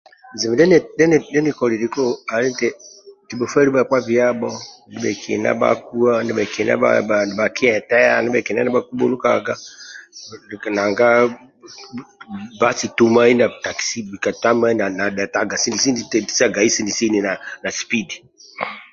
Bizibu ndie nikoliliku ali eti kibhufwelu bhakpa biabho ndibhekina bhakuwa nibhakina nibhakieteha ndibhekina nibhakibhunukaga nanga basi tumai na takisi bika tamai na dhetaga tetisagai sini sini na tetisagai na sipidi